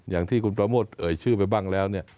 อย่างที่คุณประโมทเอ่ยชื่อไปบ้างแล้วเนี่ย